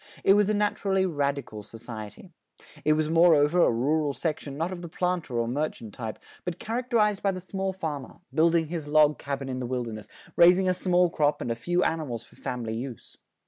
It was a naturally radical society. It was moreover a rural section not of the planter or merchant type, but characterized by the small farmer, building his log cabin in the wilderness, raising a small crop and a few animals for family use.